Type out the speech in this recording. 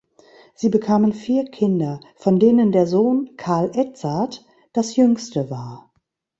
Sie bekamen vier Kinder, von denen der Sohn Carl-Edzard das jüngste war.